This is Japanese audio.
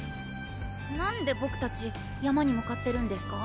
なんでボクたち山に向かってるんですか？